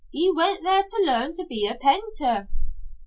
He went there to learn to be a penter."